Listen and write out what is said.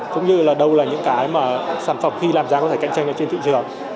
cũng như là đâu là những cái mà sản phẩm khi làm giá có thể cạnh tranh trên thị trường